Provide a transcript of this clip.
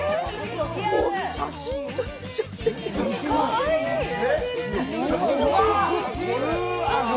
写真と一緒です！